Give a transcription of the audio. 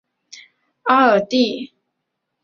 阿尔蒂。